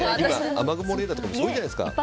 雨雲レーダーとかもすごいじゃないですか。